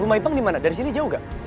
rumah ipang di mana dari sini jauh gak